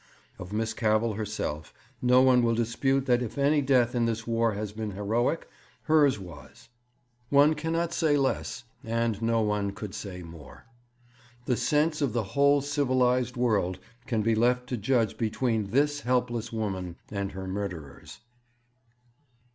Of Miss Cavell herself no one will dispute that if any death in this War has been heroic, hers was; one cannot say less, and no one could say more. The sense of the whole civilized world can be left to judge between this helpless woman and her murderers.'